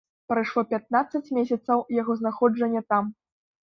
Прайшло пятнаццаць месяцаў яго знаходжання там.